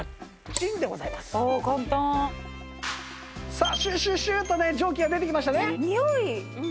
さあシューシューシューとね蒸気が出てきましたね。